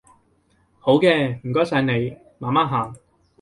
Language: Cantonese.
好嘅，唔該晒你，慢慢行